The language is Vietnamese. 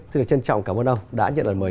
xin được trân trọng cảm ơn ông đã nhận lời mời